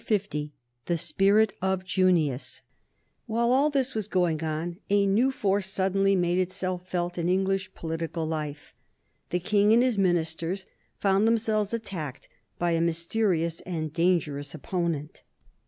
[Sidenote: 1769 The Letters of Junius] While all this was going on a new force suddenly made itself felt in English political life. The King and his ministers found themselves attacked by a mysterious and dangerous opponent.